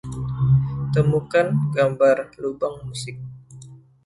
Temukan gambar Lubang Musik